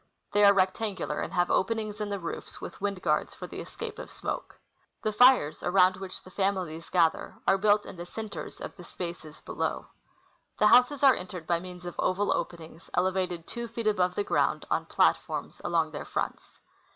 They are rect angular, and have openings in the roofs, with wind guards, for the escape of smoke. The fires, around which the families gather, are built in the centers of the spaces below. The houses are entered by means of oval openings, elevated tAVO feet above the ground on platforms along their fronts.